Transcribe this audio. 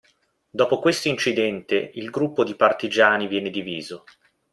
Dopo questo incidente il gruppo di partigiani viene diviso.